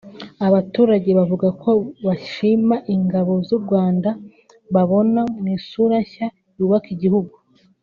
Abaturage bavuga ko bashima ingabo z’u Rwanda babona mu isura nshya yubaka igihugu